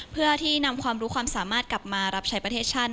เพื่อที่นำความรู้ความสามารถกลับมารับใช้ประเทศชาติ